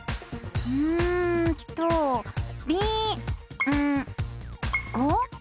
うんと「びんご」？